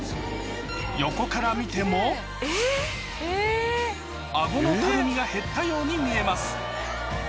横から見てもアゴのたるみが減ったように見えます